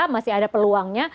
masih ada peluangnya